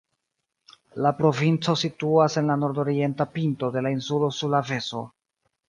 La provinco situas en la nordorienta pinto de la insulo Sulaveso.